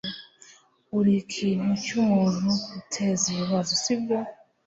Urikintu cyumuntu uteza ibibazo, sibyo?